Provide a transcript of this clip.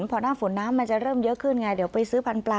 พอหน้าฝนน้ำมันจะเริ่มเยอะขึ้นไงเดี๋ยวไปซื้อพันธุปลา